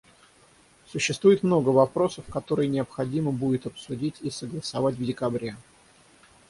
Существует много вопросов, которые необходимо будет обсудить и согласовать в декабре.